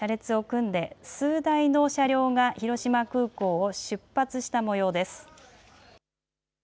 車列を組んで数台の車両が広島空港を出発したもようです。